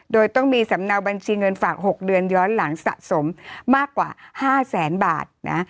โดยต้องมีสำเนาบัญชีเงินฝาก๖เดือนย้อนหลังสะสมมากกว่า๕แสนบาทนะ